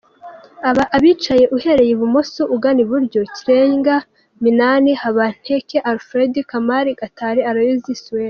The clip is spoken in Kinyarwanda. Abicaye uhereye ibumoso ugana iburyo : Kirenga, Minani, Habantake, Alfred, Kamali, Gatari, Aloys, Suedi.